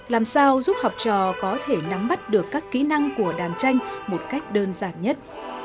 làm sao giúp học trò có thể nắm bắt được các kỹ năng của đàn tranh một cách đơn giản nhất